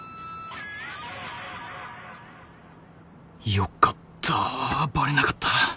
良かったバレなかった。